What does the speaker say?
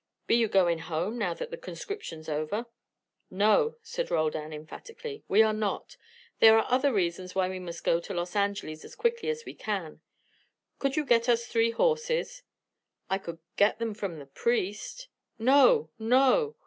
Be you goin' home, now that the conscription's over?" "No!" said Roldan, emphatically, "we are not. There are other reasons why we must go to Los Angeles as quickly as we can. Could you get us three horses?" "I could get them from the priest " "No! no!"